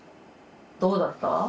どうだった？